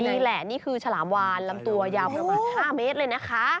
นี่แหละนี่คือฉลามวานลำตัวยาวประมาณ๕เมตรเลยนะคะ